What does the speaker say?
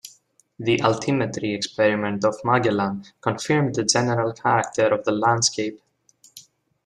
The altimetry experiment of "Magellan" confirmed the general character of the landscape.